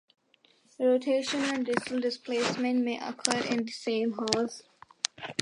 Rotation and distal displacement may occur in the same horse.